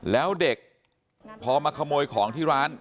แล้วเด็กพอมาขโมยของที่ร้าน